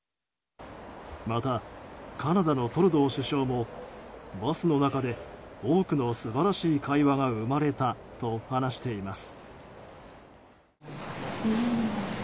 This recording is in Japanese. また、カナダのトルドー首相もバスの中で多くの素晴らしい会話が生まれたと話しています。